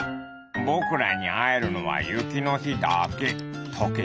「ぼくらにあえるのはゆきのひだけ。